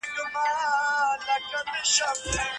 په زندان کي یې قسمت سو ور معلوم سو